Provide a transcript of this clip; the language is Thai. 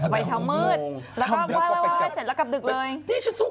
ดีไงใจดีใจบุญ